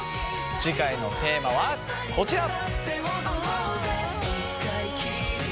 次回のテーマはこちら。